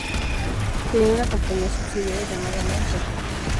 Tenía una compañía subsidiaria llamada Lawn Records.